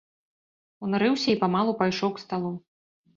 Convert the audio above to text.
Унурыўся і памалу пайшоў к сталу.